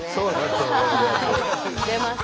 出ます。